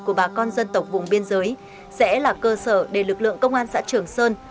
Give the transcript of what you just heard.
của bà con dân tộc vùng biên giới sẽ là cơ sở để lực lượng công an xã trường sơn